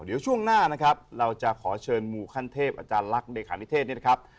เดี๋ยวช่วงหน้านะครับเราจะขอเชิญหมู่ขั้นเทพอาจารย์ลักษณ์เลขานิเทศนี่นะครับ